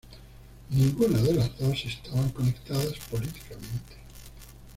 Ninguna de las dos estaban conectadas políticamente.